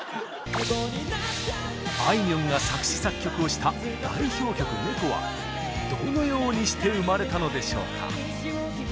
あいみょんが作詞作曲をした代表曲「猫」はどのようにして生まれたのでしょうか？